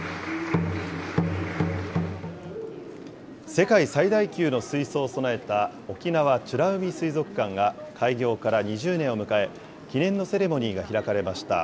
世界最大級の水槽を備えた沖縄美ら海水族館が開業から２０年を迎え、記念のセレモニーが開かれました。